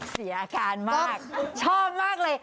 เสียอาการมากชอบมากเลย